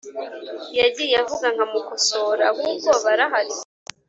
yagiye avuga nkamukosora Ahubwo barahari